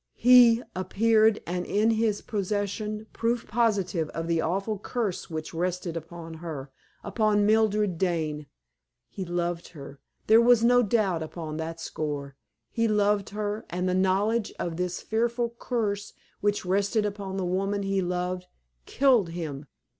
He appeared, and in his possession proof positive of the awful curse which rested upon her upon Mildred Dane. He loved her there was no doubt upon that score he loved her, and the knowledge of this fearful curse which rested upon the woman he loved killed him.